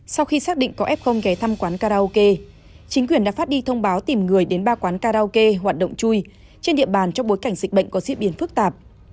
sau khi xác định có f ghé thăm quán karaoke chính quyền đã phát đi thông báo tìm người đến ba quán karaoke hoạt động chui trên địa bàn trong bối cảnh dịch bệnh có diễn biến phức tạp